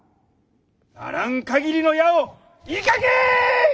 あらんかぎりの矢を射かけい！